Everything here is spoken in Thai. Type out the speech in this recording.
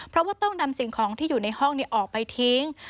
เพราะว่าต้องนำสิ่งของที่อยู่ในห้องออกไปทิ้ง